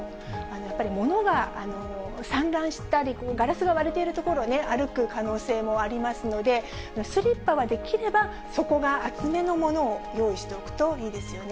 やっぱり物が散乱したり、ガラスが割れているところを歩く可能性もありますので、スリッパはできれば、底が厚めのものを用意しておくといいですよね。